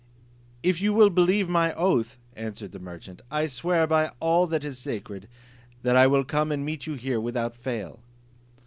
"If you will believe my oath," answered the merchant, "I swear by all that is sacred, that I will come and meet you here without fail."